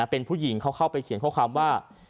เป็นผู้หญิงเขาเข้าไปเขียนข้อความว่า